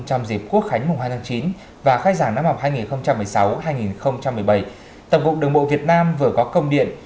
vào tháng chín và khai giảng năm học hai nghìn một mươi sáu hai nghìn một mươi bảy tổng cục đường bộ việt nam vừa có công điện